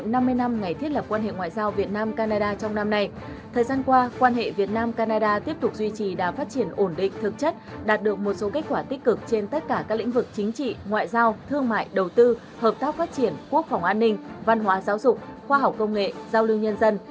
một số kết quả tích cực trên tất cả các lĩnh vực chính trị ngoại giao thương mại đầu tư hợp tác phát triển quốc phòng an ninh văn hóa giáo dục khoa học công nghệ giao lưu nhân dân